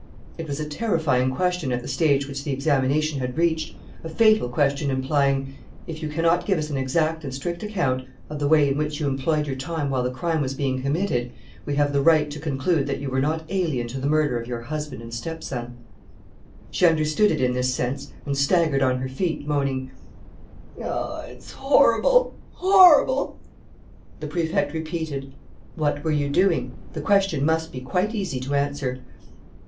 It was a terrifying question at the stage which the examination had reached, a fatal question implying: "If you cannot give us an exact and strict account of the way in which you employed your time while the crime was being committed, we have the right to conclude that you were not alien to the murder of your husband and stepson " She understood it in this sense and staggered on her feet, moaning: "It's horrible!... horrible!" The Prefect repeated: "What were you doing? The question must be quite easy to answer."